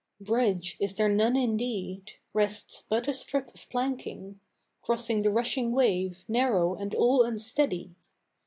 Bridge is there none indeed rests but a strip of planking, Crossing the rushing wave, narrow and all unsteady.